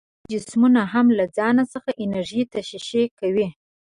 تاوده جسمونه هم له ځانه څخه انرژي تشعشع کوي.